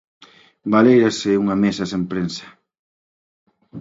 Baléirase unha mesa sen prensa.